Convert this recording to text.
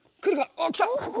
あっきた！